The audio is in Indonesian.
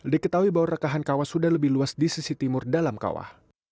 diketahui bahwa rekahan kawah sudah lebih luas di sisi timur dalam kawah